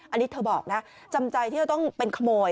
อันนี้เธอบอกนะจำใจที่จะต้องเป็นขโมย